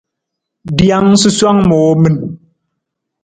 Rijang susowang muu min.